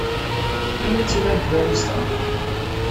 Anwa ay tt-ilan tbalizt-a?